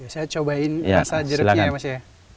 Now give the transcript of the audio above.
saya cobain rasa jeruknya ya mas ya